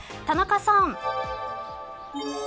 田中さん。